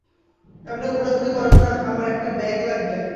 এম্নে ঘোরাঘুরি করেন না, আমার এখন একটা ব্যাগ লাগবে।